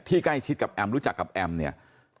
ใกล้ชิดกับแอมรู้จักกับแอมเนี่ย